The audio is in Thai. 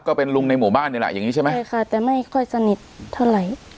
ก็เป็นลุงในหมู่บ้านนี่แหละอย่างนี้ใช่ไหมใช่ค่ะแต่ไม่ค่อยสนิทเท่าไหร่